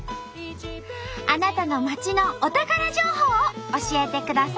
あなたの町のお宝情報を教えてください。